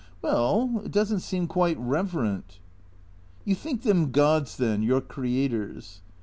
" Well — it does n't seem quite reverent." " You think them gods, then, your creators